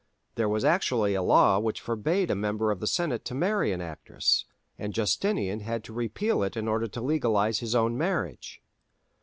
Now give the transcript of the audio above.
There was actually a law which forbade a member of the senate to marry an actress, and Justinian had to repeal it in order to legalize his own marriage.